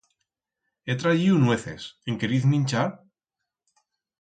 He trayiu nueces, en queriz minchar?